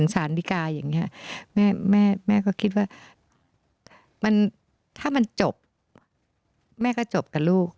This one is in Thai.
สารดีกาอย่างนี้แม่ก็คิดว่าถ้ามันจบแม่ก็จบกับลูก